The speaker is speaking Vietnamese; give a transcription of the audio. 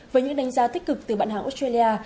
với những đánh giá tích cực từ bạn hàng australia